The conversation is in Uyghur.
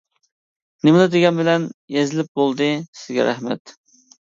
نېمىلا دېگەن بىلەن يېزىلىپ بولدى. سىزگە رەھمەت!